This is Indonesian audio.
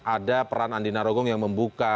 ada peran andina rogong yang membuka